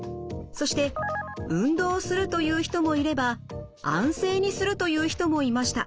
そして運動するという人もいれば安静にするという人もいました。